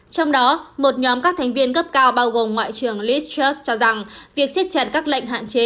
trong đó một nhóm các thành viên cấp cao bao gồm ngoại trưởng liz truss cho rằng việc siết chặt các lệnh hạn chế